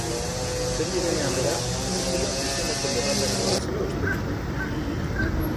Hiltzen direnean, beraz, Zion izeneko lurraldera doazela uste dute.